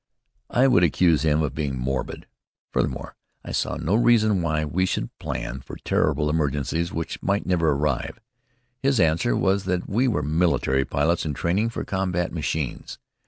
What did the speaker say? I would accuse him of being morbid. Furthermore, I saw no reason why we should plan for terrible emergencies which might never arrive. His answer was that we were military pilots in training for combat machines.